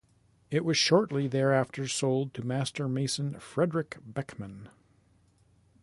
It was shortly thereafter sold to master mason Frederik Beckmann.